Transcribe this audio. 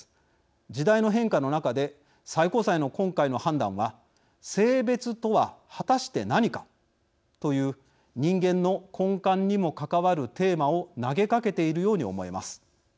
時代の変化の中で最高裁の今回の判断は性別とは果たして何かという人間の根幹にも関わるテーマを投げかけているように思えます。